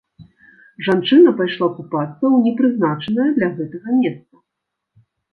Жанчына пайшла купацца ў непрызначанае для гэтага месца.